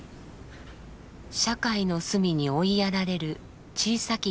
社会の隅に追いやられる小さき